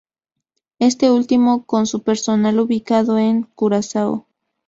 Este último, con su personal ubicado en Curazao.